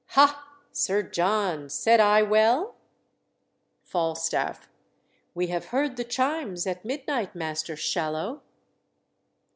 Ha, Sir John, said I well?" Falstaff "We have heard the chimes at midnight, Master Shallow."